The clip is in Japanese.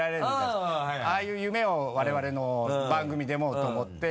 あぁはいはい。ああいう夢を我々の番組でもと思って。